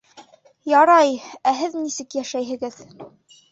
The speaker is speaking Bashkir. Ярай. Ә һеҙ нисек йәшәйһегеҙ?